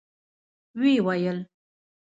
ويې ويل: